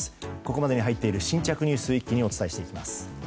ここまでに入っている新着ニュース一気にお伝えしていきます。